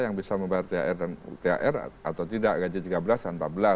yang bisa membayar thr atau tidak gaji tiga belas dan empat belas